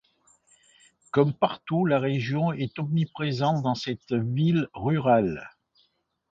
Comme partout, la religion est omniprésente dans cette vile rurale.